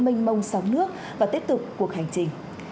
mênh mông sóng nước và tiếp tục cuộc hành trình